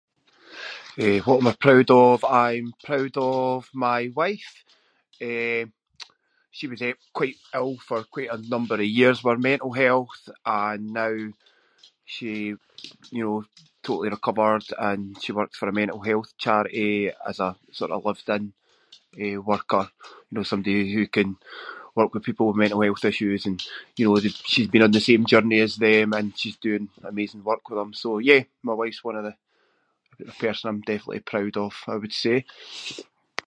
Eh, what am I proud of? I’m proud of my wife. Eh, she was eh quite ill for quite a number of years with her mental health and now she, you know, totally recovered and she works for a mental health charity as a sort of lived-in, eh, worker. You know, somebody who can work with people with mental health issues and, you know, she’s been on the same journey as them and she’s doing amazing work with them. So yeah, my wife’s one of the- I think the person I’m definitely proud of I would say.